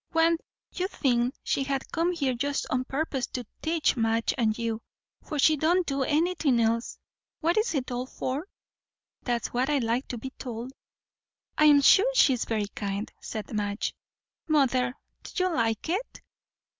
One 'ud think she had come here just on purpose to teach Madge and you; for she don't do anything else. What's it all for? that's what I'd like to be told." "I'm sure she's very kind," said Madge. "Mother, do you like it?"